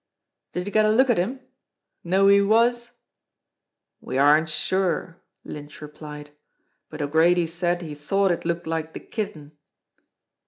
"Did you get a look at him ? Know who he was ?" "We aren't sure," Lynch replied. "But O'Grady said he thought it looked like the Kitten."